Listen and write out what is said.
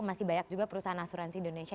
masih banyak juga perusahaan asuransi indonesia